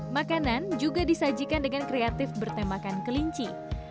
makanan juga disajikan dengan kreatif bertemakan kelinci